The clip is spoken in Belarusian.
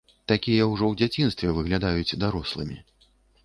Такія ўжо у дзяцінстве выглядаюць дарослымі.